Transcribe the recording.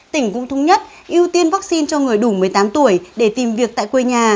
tỉnh cũng thống nhất ưu tiên vaccine cho người đủ một mươi tám tuổi để tìm việc tại quê nhà